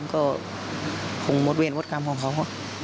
ก็คงหมดเวียนวัตกรรมของเขา